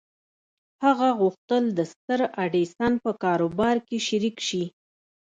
هغه غوښتل د ستر ايډېسن په کاروبار کې شريک شي.